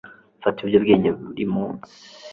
fata ibiyobyabwenge buri munsi